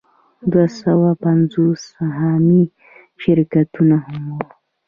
دوه سوه پنځوس سهامي شرکتونه هم وو